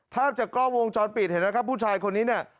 ภาพจากกล้องวงจรปิดเห็นไหมครับผู้ชายคนนี้เนี่ย